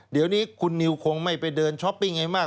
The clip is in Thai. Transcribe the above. เดี๋ยวนี้คุณนิวคงไม่ไปเดินช้อปปิ้งไอ้มาก